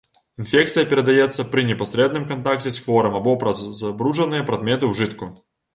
Інфекцыя перадаецца пры непасрэдным кантакце з хворым або праз забруджаныя прадметы ўжытку.